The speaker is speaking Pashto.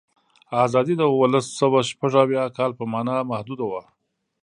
آزادي د اوولسسوهشپږاویا کال په معنا محدوده وه.